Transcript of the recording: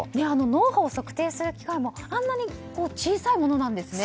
脳波を測定する機械もあんなに小さいものなんですね。